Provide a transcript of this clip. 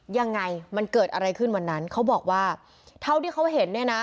ยังไงมันเกิดอะไรขึ้นวันนั้นเขาบอกว่าเท่าที่เขาเห็นเนี่ยนะ